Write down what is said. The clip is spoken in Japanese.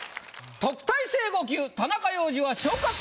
特待生５級田中要次は。